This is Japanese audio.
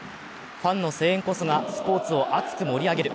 ファンの声援こそがスポーツを熱く盛り上げる。